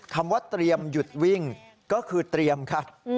คำว่าเตรียมหยุดวิ่งก็คือเตรียมค่ะ